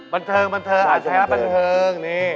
บรรเทิงอาจจะใช้บรรเทิง